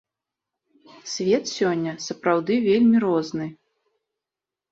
Свет сёння сапраўды вельмі розны.